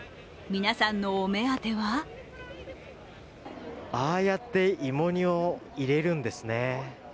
皆さんのお目当てはああやって芋煮を入れるんですね。